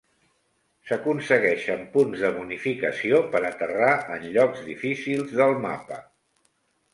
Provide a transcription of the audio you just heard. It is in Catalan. S'aconsegueixen punts de bonificació per aterrar en llocs difícils del mapa.